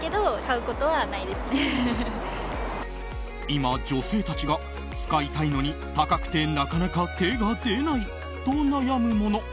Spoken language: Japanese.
今、女性たちが使いたいのに高くてなかなか手が出ないと悩むもの